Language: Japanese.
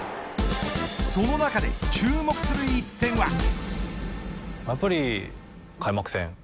その中で注目する一戦は。